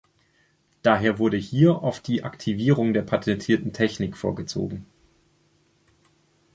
Daher wurde hier oft die Aktivierung der patentierten Technik vorgezogen.